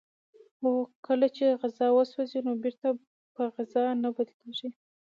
هو کله چې کاغذ وسوځي نو بیرته په کاغذ نه بدلیږي